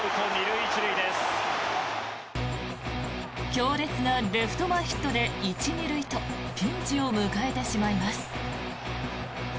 強烈なレフト前ヒットで１・２塁とピンチを迎えてしまいます。